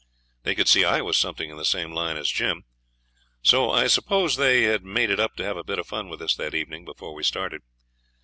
They could see I was something in the same line as Jim. So I suppose they had made it up to have a bit of fun with us that evening before we started.